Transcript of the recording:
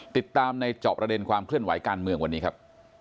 ติดตามในเจาะประเด็นความเคลื่อนไหวการเมืองวันนี้ครับ